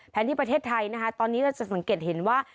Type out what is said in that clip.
ที่ประเทศไทยนะคะตอนนี้เราจะสังเกตเห็นว่า